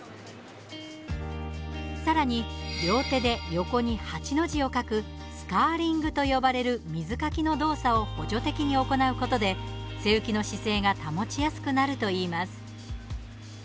さらに両手で横に８の字をかくスカーリングと呼ばれる水かきの動作を補助的に行うことで背浮きの姿勢が保ちやすくなるといいます。